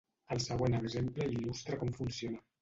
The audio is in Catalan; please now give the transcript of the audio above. El següent exemple il·lustra com funciona.